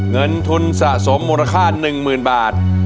เงินทุนสะสมมูลค่า๑๐๐๐บาท